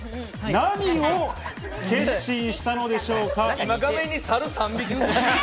何を決心したのでしょうか？